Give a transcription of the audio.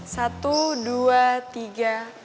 satu dua tiga